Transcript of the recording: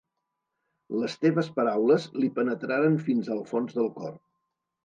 Les teves paraules li penetraren fins al fons del cor.